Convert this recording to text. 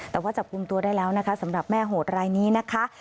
แต่ว่าจับกลุ่มตัวได้แล้วนะคะสำหรับแม่โหดรายนี้นะคะ